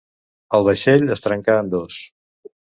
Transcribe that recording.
El vaixell es trencà en dos.